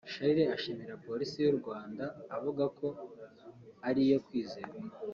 Charles ashimira Polisi y’u Rwanda avuga ko ari iyo kwizerwa